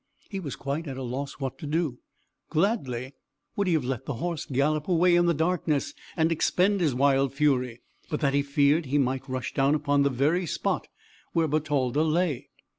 He was quite at a loss what to do: gladly would he have let the horse gallop away in the darkness and expend his wild fury, but that he feared he might rush down upon the very spot where Bertalda lay.